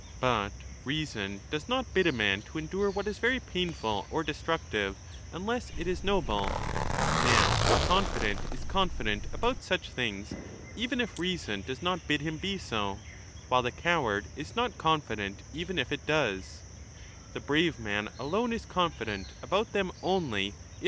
But reason does not bid a man to endure what is very painful or destructive unless it is noble ; now the confident is confident about such things even if reason does 10 not bid him be so, while the coward is not confident even if it does ; the brave man alone is confident about them only if reason bids him.